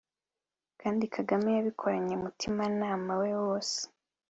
kandi kagame yabikoranye umutimanama we wose.